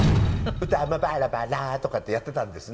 「歌もバラバラ」とかってやっていたんですね。